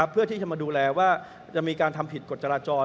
เพื่อที่จะมาดูแลว่าจะมีการทำผิดกฎจราจร